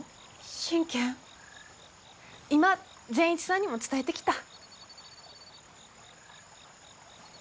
今善一さんにも伝えてきた。